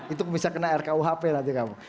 itu bisa kena rkuhp nanti kamu